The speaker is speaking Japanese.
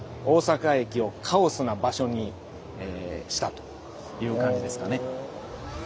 つまりという感じですかね。